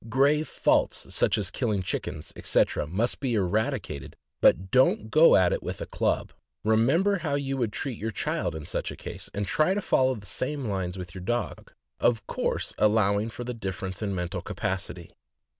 Grave faults, such as killing chickens, etc., must be eradicated, but don't go at it with a club. Remember how you would treat your child in such a case, and try to follow the same lines with your dog, of course allowing for the difference in mental capacity.